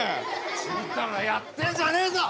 ちんたらやってんじゃねえぞ！